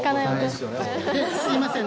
すみません